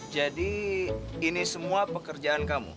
jadi ini semua pekerjaan kamu